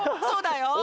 そうだよ。